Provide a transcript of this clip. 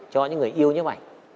cho những người yêu nhóm ảnh